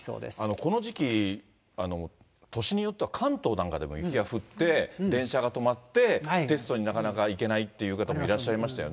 この時期、年によっては関東なんかでも雪が降って、電車が止まって、テストになかなか行けないという方もいらっしゃいましたよね。